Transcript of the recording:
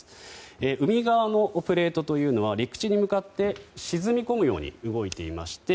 海側のプレートは陸地に向かって沈み込むように動いていまして